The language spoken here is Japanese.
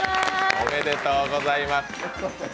おめでとうございます。